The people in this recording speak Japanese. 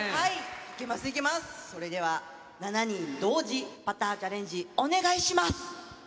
いけます、いけます、それでは７人同時パターチャレンジ、お願いします。